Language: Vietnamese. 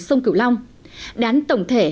sông cửu long đán tổng thể